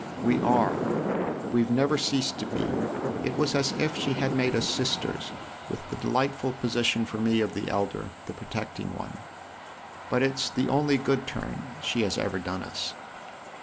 " We are we've never ceased to be. It was as if she had made us sisters, with the delightful position for me of the elder, the protecting one. But it's the only good turn she has ever done us."